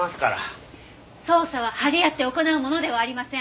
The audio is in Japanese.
捜査は張り合って行うものではありません。